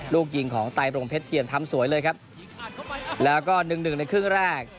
ลูกยิงของไตรรงเพชรเทียมทำสวยเลยครับแล้วก็หนึ่งหนึ่งในครึ่งแรก